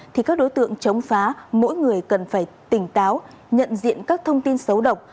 thì các đối tượng chống phá mỗi người cần phải tỉnh táo nhận diện các thông tin xấu độc